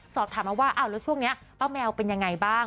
สอบถามมาว่าอ้าวแล้วช่วงนี้ป้าแมวเป็นยังไงบ้าง